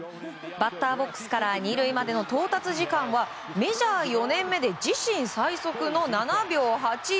バッターボックスから２塁までの到達時間はメジャー４年目で自身最速の７秒８４。